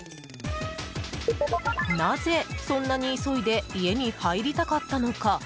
なぜ、そんなに急いで家に入りたかったのか。